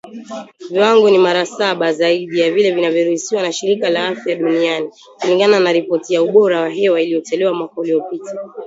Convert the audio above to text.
Viwango ni mara saba zaidi ya vile vinavyoruhusiwa na shirika la afya duniani , kulingana na ripoti ya ubora wa hewa iliyotolewa mwaka uliopita